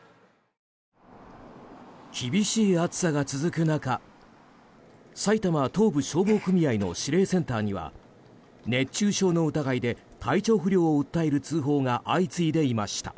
厳しい暑さが続く中埼玉東部消防組合の指令センターには熱中症の疑いで体調不良を訴える通報が相次いでいました。